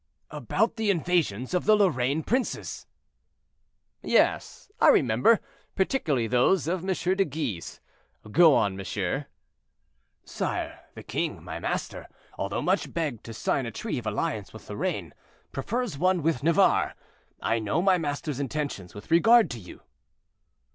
"About the invasions of the Lorraine princes." "Yes, I remember, particularly those of M. de Guise; go on, monsieur." "Sire, the king, my master, although much begged to sign a treaty of alliance with Lorraine, prefers one with Navarre. I know my master's intentions with regard to you."